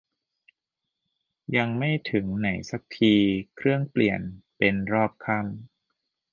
ยังไม่ถึงไหนซักที เครื่องเปลี่ยนเป็นรอบค่ำ